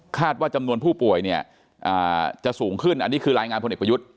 ว่าจำนวนผู้ป่วยเนี่ยจะสูงขึ้นอันนี้คือรายงานพลเอกประยุทธ์